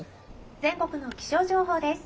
「全国の気象情報です。